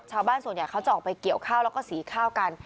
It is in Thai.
ชาวบ้านส่วนใหญ่เขาจะออกไปเกี่ยวข้าวแล้วก็สีข้าวกัน